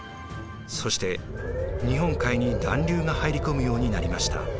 そして日本海に暖流が入り込むようになりました。